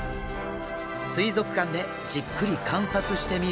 水族館でじっくり観察してみると。